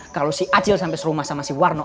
kalau si acil sampai serumah sama si warno